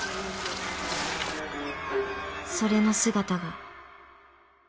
・［それの姿が］